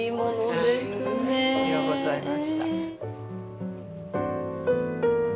ようございました。